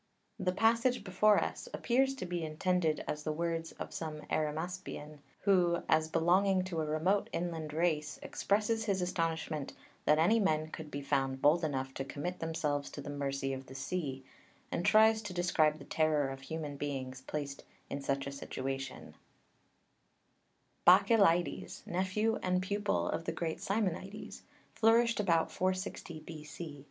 The passage before us appears to be intended as the words of some Arimaspian, who, as belonging to a remote inland race, expresses his astonishment that any men could be found bold enough to commit themselves to the mercy of the sea, and tries to describe the terror of human beings placed in such a situation (Pearce ad. l.; Abicht on Hdt. iv. 12; Suidas, s.v.) BAKCHYLIDES, nephew and pupil of the great Simonides, flourished about 460 B.C.